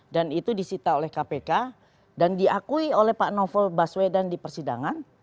dan itu disita oleh kpk dan diakui oleh pak novel baswedan di persidangan